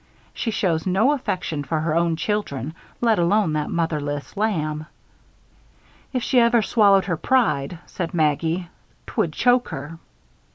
She shows no affection for her own children, let alone that motherless lamb." "If she ever swallowed her pride," said Maggie, "'twould choke her."